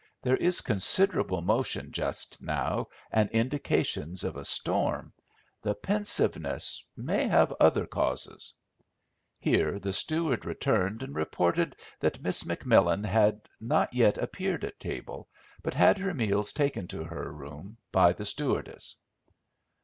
"There is considerable motion just now, and indications of a storm. The pensiveness may have other causes." Here the steward returned and reported that Miss McMillan had not yet appeared at table, but had her meals taken to her room by the stewardess.